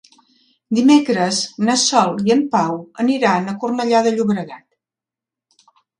Dimecres na Sol i en Pau aniran a Cornellà de Llobregat.